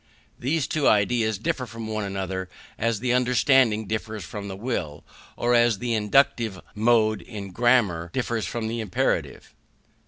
These two ideas differ from one another as the understanding differs from the will, or as the indicative mood in grammar differs from the imperative.